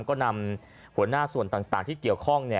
ก็นำหัวหน้าส่วนต่างที่เกี่ยวข้อง